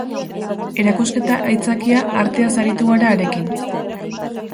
Erakusketa aitzakia, arteaz aritu gara harekin.